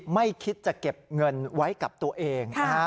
ไม่คิดจะเก็บเงินไว้กับตัวเองนะฮะ